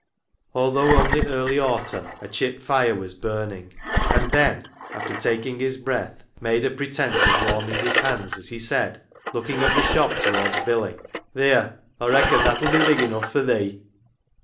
Although only early autumn, a chip fire was burning, and Ben, after taking his breath, made a pretence of warming his hands as he said, looking up the shop towards Billy. " Theer, Aw reacon that '11 be big enough for thee."